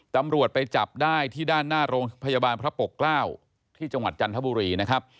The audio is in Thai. ตำรวจไปจับได้ที่ด้านหน้าโรงพยาบาลพระปกเกล้าที่จังหวัดจันทบุรีนะครับ